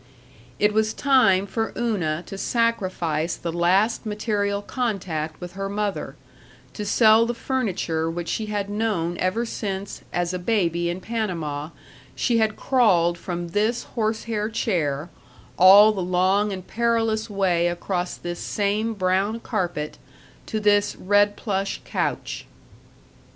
It was time for Una to sacrifice the last material contact with her mother; to sell the furniture which she had known ever since, as a baby in Panama, she had crawled from this horsehair chair, all the long and perilous way across this same brown carpet, to this red plush couch.